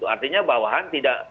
artinya bawahan tidak